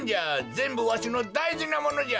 ぜんぶわしのだいじなものじゃ！